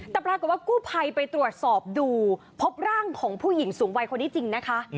แต่ปรากฏว่ากู้ภัยไปตรวจสอบดูพบร่างของผู้หญิงสูงวัยคนนี้จริงนะคะ